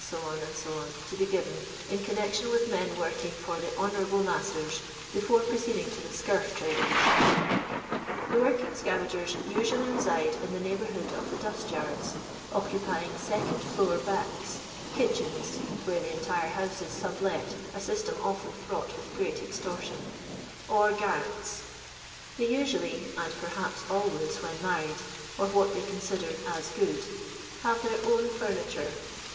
&&, to be given, in connection with men working for the honourable masters, before proceeding to the senrftrederi. The working scavagers usually reside in the neighbourhood of the dusVyards, occupying "second floor backs," kitchens (where the entire house is sublet, a system often fraught with great extor tion), or garrets ; they usually, and perhaps always, when married, or what they consider " as good," have their own furniture.